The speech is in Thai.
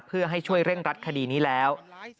เพื่อให้ช่วยเร่งรัดคดีนี้แล้ว